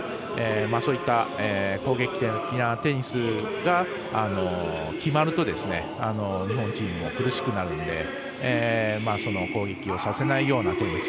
そういった攻撃的なテニスが決まると日本チームも苦しくなるのでその攻撃をさせないようなテニス。